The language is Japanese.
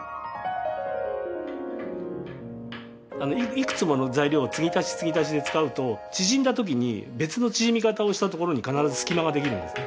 いくつもの材料を継ぎ足し継ぎ足しで使うと縮んだときに別の縮み方をしたところに必ず隙間ができるんですね